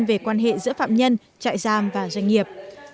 về quan hệ giữa phạm nhân trại giam và doanh nghiệp